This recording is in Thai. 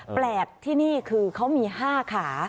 อ้อแปลกที่นี่คือมี๕ขา